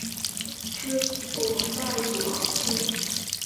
治所在武郎县。